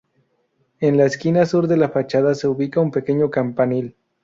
En la esquina sur de la fachada se ubica un pequeño campanil.